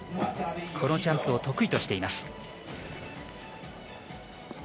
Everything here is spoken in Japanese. このジャンプを得意としています。